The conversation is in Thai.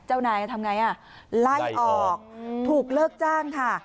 เจ้านายทำไงอ่ะไล่ออกถูกเลิกจ้างค่ะ